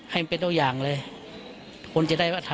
ให้มันเป็นตัวอย่างเลย